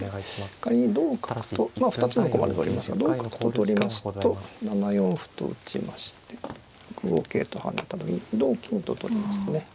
仮に同角とまあ２つの駒で取れますが同角と取りますと７四歩と打ちまして６五桂と跳ねた時に同金と取りますとね